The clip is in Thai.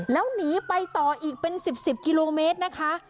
แล้วหนีไปต่ออีกเป็น๑๐๑๐กิโลเมตรนะคะ